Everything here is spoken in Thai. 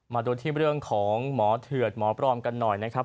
มาดูที่เรื่องของหมอเถื่อนหมอปลอมกันหน่อยนะครับ